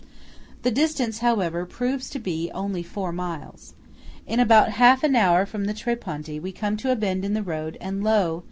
The distance, however, proves to be only four miles. In about half an hour from the Tre Ponti, we come to a bend in the road, and lo!